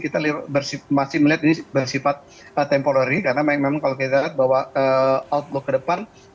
kita masih melihat ini bersifat temporary karena memang kalau kita lihat bahwa outlook ke depan